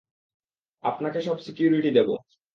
আপনাকে সব সিকিউরিটি দেবো।